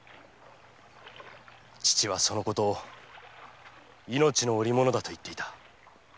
父はそのことを命の織物だと言っていた